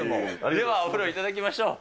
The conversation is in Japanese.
ではお風呂頂きましょう。